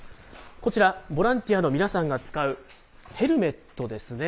こちら、ボランティアの皆さんが使うヘルメットですね。